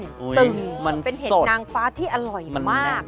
มันเป็นเห็ดนางฟ้าที่อร่อยมาก